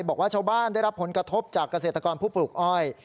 บอกว่าชาวบ้านได้รับผลกระทบจากเกษตรกรผู้ปลูกอ้อย